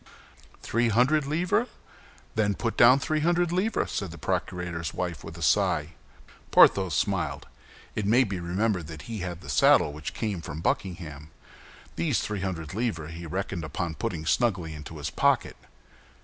"Three hundred livres? Then put down three hundred livres," said the procurator's wife, with a sigh. Porthos smiled. It may be remembered that he had the saddle which came from Buckingham. These three hundred livres he reckoned upon putting snugly into his pocket.